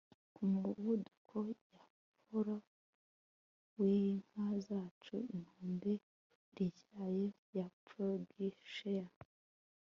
Ku muvuduko gahoro winka zacu inkombe ityaye ya ploughshare